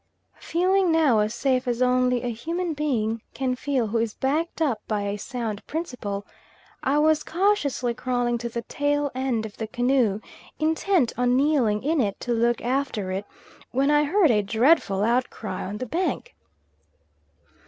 Feeling now as safe as only a human being can feel who is backed up by a sound principle, I was cautiously crawling to the tail end of the canoe, intent on kneeling in it to look after it, when I heard a dreadful outcry on the bank.